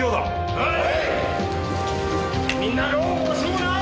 はい。